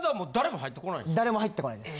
誰も入ってこないです。